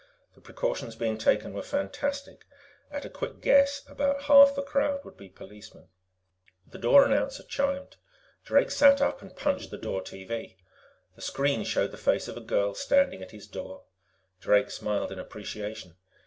The precautions being taken were fantastic; at a quick guess, about half the crowd would be policemen. The door announcer chimed. Drake sat up and punched the door TV. The screen showed the face of a girl standing at his door. Drake smiled in appreciation.